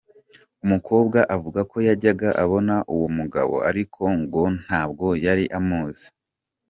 Umukobwa avuga ko yajyaga abona uwo mugabo ariko ngo ntabwo yari amuzi.